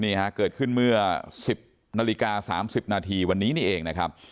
เกิดขึ้นเมื่อ๑๐นาฬิกา๓๐นาทีวันนี้นี่เองนะครับ